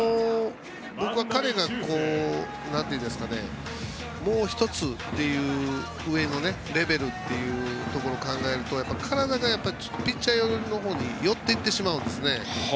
僕は彼がもう１つ上のレベルということを考えるとやっぱり体がピッチャー寄りのほうに寄っていってしまうんですね。